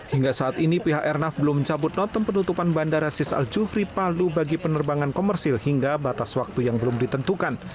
hingga saat ini pihak airnav belum mencabut notem penutupan bandara sis al jufri palu bagi penerbangan komersil hingga batas waktu yang belum ditentukan